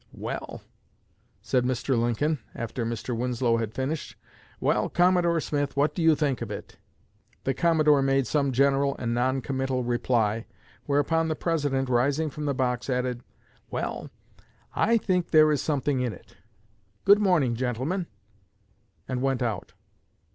'Well,' said Mr. Lincoln, after Mr. Winslow had finished, 'well, Commodore Smith, what do you think of it?' The Commodore made some general and non committal reply, whereupon the President, rising from the box, added, 'Well, I think there is something in it. Good morning, gentlemen,' and went out.